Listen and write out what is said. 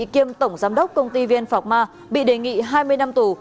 kiêm tổng giám đốc công ty vn phạc ma bị đề nghị hai mươi năm tù